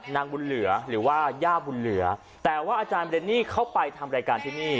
นางบุญเหลือหรือว่าย่าบุญเหลือแต่ว่าอาจารย์เรนนี่เขาไปทำรายการที่นี่